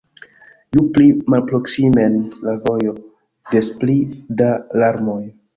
Ju pli malproksimen la vojo, des pli da larmoj.